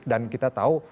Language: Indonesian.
dan kita tahu